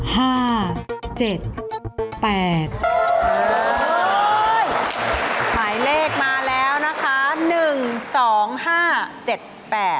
หมายเลขมาแล้วนะคะ